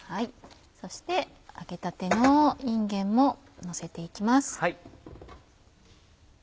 そして揚げたてのいんげんものせて行きます。